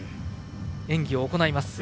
演技を行います。